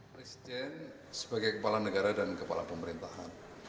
presiden sebagai kepala negara dan kepala pemerintahan